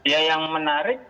ya yang menarik